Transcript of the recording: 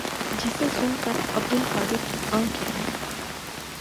جسے سن کر عبدالقادر کی انکھیں